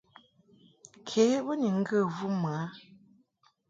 Ke bo ni ŋgə vum mɨ a.